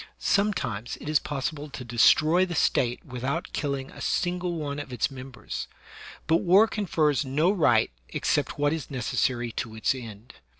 Sometimes it is possi ble to destroy the State without killing a single one of its members; but war confers no right except what is neces sary to its end.